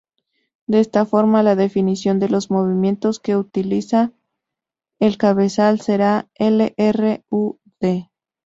De esta forma la definición de los movimientos que realiza el cabezal será {L,R,U,D}.